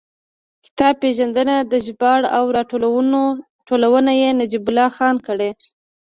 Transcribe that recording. کتاب پېژندنه ده، ژباړه او راټولونه یې نجیب الله خان کړې.